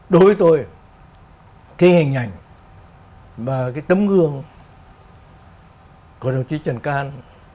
đối với tôi cái hình ảnh và cái tấm gương của đồng chí trần can